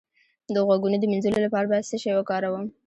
د غوږونو د مینځلو لپاره باید څه شی وکاروم؟